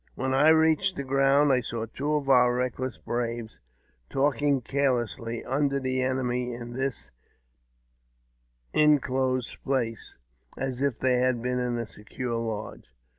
When I reached the ground, I saw two of our reckless braves talking carelessly under the enemy in this inclosed space, as if they had been in a secure lodge.